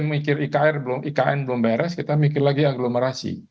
kita mikir ikn belum beres kita mikir lagi agglomerasi